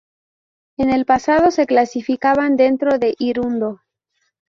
En el pasado se clasificaban dentro de "Hirundo".